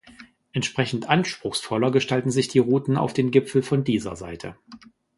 Entsprechend anspruchsvoller gestalten sich die Routen auf den Gipfel von dieser Seite.